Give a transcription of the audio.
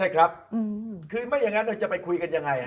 ครับคือไม่อย่างนั้นเราจะไปคุยกันยังไง